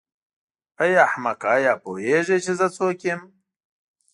ای احمقه آیا پوهېږې چې زه څوک یم.